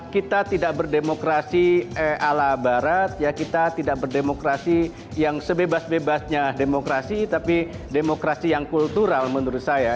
kita tidak berdemokrasi ala barat ya kita tidak berdemokrasi yang sebebas bebasnya demokrasi tapi demokrasi yang kultural menurut saya